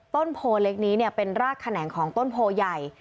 ต้นโพเล็กนี้เป็นรากแขนงของต้นโพใหญ่